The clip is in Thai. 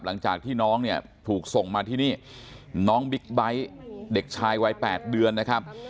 หลังจากที่น้องเนี่ยถูกส่งมาที่นี่น้องบิ๊กไบท์เด็กชายวัย๘เดือนนะครับ